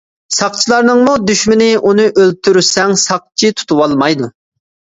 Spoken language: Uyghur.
ساقچىلارنىڭمۇ دۈشمىنى، ئۇنى ئۆلتۈرسەڭ ساقچى تۇتۇۋالمايدۇ.